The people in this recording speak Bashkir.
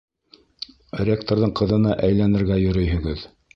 Ректорҙың ҡыҙына әйләнергә йөрөйһөгөҙ!